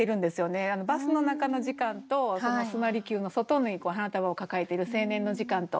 バスの中の時間と須磨離宮の外に花束を抱えている青年の時間と。